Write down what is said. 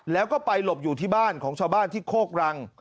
แล้วก็ไปหลบอยู่ที่บ้านของชาวบ้านที่โคกรัง